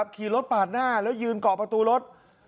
ขี่รถปาดหน้าแล้วยืนเกาะประตูรถ